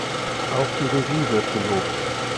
Auch die Regie wird gelobt.